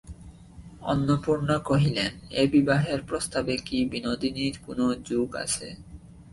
অন্নপূর্ণা কহিলেন, এ বিবাহের প্রস্তাবে কি বিনোদিনীর কোনো যোগ আছে।